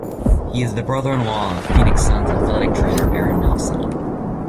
He is the brother-in-law of Phoenix Suns athletic trainer Aaron Nelson.